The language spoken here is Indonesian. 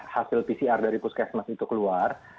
hasil pcr dari puskesmas itu keluar